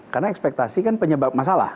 karena ekspektasi kan penyebab masalah